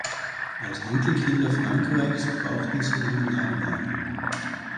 Als Enkelkinder Frankreichs brauchten sie einen Nachnamen.